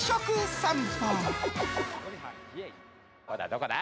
どこだ？